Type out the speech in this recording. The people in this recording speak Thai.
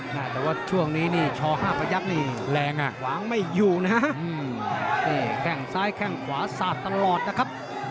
น่าจะว่าช่วงนี้นี่ช่อ๕ประยักษณ์นี่หวางไม่อยู่นะครับแค่งซ้ายแค่งขวาสาดตลอดนะครับ